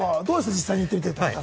実際に行ってみて。